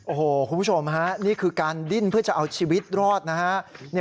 โอ้โหคุณผู้ชมฮะนี่คือการดิ้นเพื่อจะเอาชีวิตรอดนะฮะ